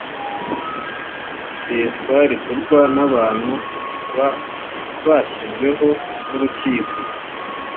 iseswa rikorwa na bantu ba bashyizweho n’urukiko